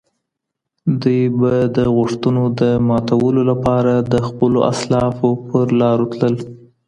دوی به د غوښتنو د ماتولو لپاره د خپلو اسلافو په لارو تلل.